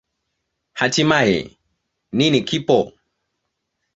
Hatimaye, nini kipo?